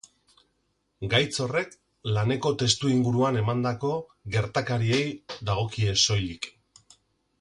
Gaitz horrek laneko testuinguruan emandako gertakariei dagokie soilik.